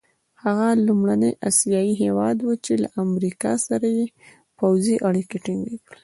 هغه لومړنی اسیایي هېواد وو چې له امریکا سره یې پوځي اړیکي ټینګې کړې.